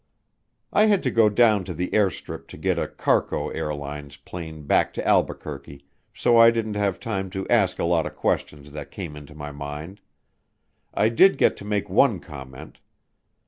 I had to go down to the airstrip to get a CARCO Airlines plane back to Albuquerque so I didn't have time to ask a lot of questions that came into my mind. I did get to make one comment.